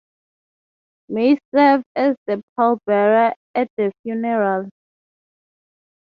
Mays served as the pallbearer at the funeral.